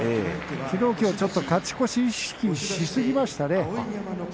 きのう、きょう勝ち越しを意識しすぎですね。